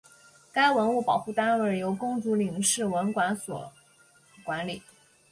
该文物保护单位由公主岭市文管所管理。